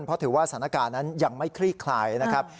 เพราะถือว่าสถานการณ์นั้นยังไม่คลี่คลายนะครับ